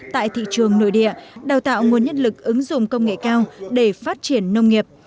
tại thị trường nội địa đào tạo nguồn nhân lực ứng dụng công nghệ cao để phát triển nông nghiệp